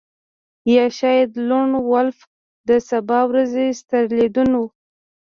یا شاید لون وولف د سبا ورځې ستر لیدونه